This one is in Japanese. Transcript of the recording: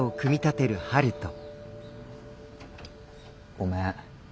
ごめん。